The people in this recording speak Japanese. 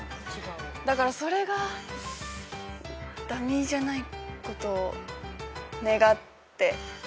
だからそれがダミーじゃないことを願って。